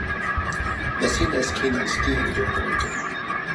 Messina is keen on skiing during the winter.